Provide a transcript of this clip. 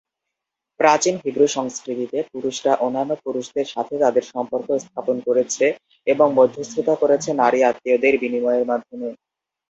প্রাচীন হিব্রু সংস্কৃতিতে পুরুষরা অন্যান্য পুরুষদের সাথে তাদের সম্পর্ক স্থাপন করেছে এবং মধ্যস্থতা করেছে নারী আত্মীয়দের বিনিময়ের মাধ্যমে।